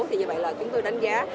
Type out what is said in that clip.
thì như vậy là chúng tôi đánh giá